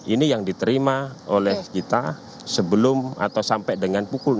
ini yang diterima oleh kita sebelum atau sampai dengan pukul